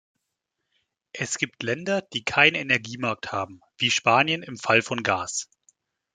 Es gibt Länder, die keinen Energiemarkt haben, wie Spanien im Fall von Gas.